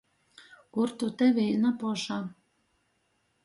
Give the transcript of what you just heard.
Kur tu te vīna poša?